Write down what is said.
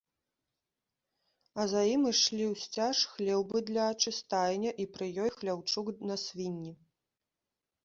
А за ім ішлі ўсцяж хлеў быдлячы, стайня і пры ёй хляўчук на свінні.